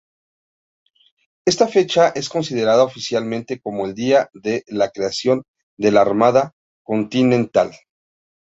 Esta fecha es considerada oficialmente como el día de creación de la Armada Continental.